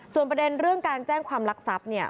ส่วนประเด็นเรื่องการแจ้งความลักทรัพย์เนี่ย